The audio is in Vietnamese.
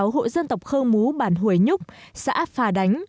ba mươi sáu hội dân tộc khơ mú bản huế nhúc xã phà đánh